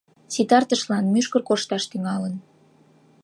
Ситартышлан, мӱшкыр коршташ тӱҥалын.